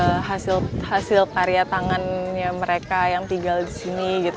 ini adalah hasil tarya tangannya mereka yang tinggal di sini